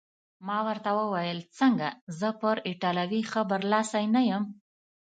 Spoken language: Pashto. ما ورته وویل: څنګه، زه پر ایټالوي ښه برلاسی نه یم؟